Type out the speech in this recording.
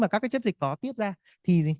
các cái chất dịch đó tiết ra thì